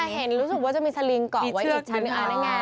ถ้าเห็นรู้สึกว่าจะมีสลิงกรอบไว้อีกชั้นอัน